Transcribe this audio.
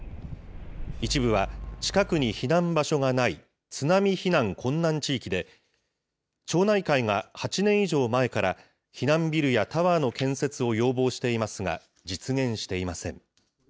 一部は近くに避難場所がない津波避難困難地域で町内会が８年以上前から避難ビルやタワーの建設を要望していますが、実現していません。